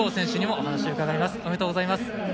おめでとうございます。